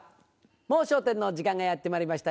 『もう笑点』の時間がやってまいりました。